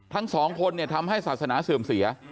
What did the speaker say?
ทั้งสองคนทำให้ศาสนาเสื่อมเสีย